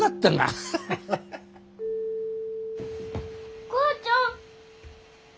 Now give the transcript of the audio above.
・お母ちゃん！